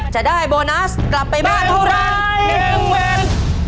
จะได้โบนัสกลับไปบ้านทุกร้าน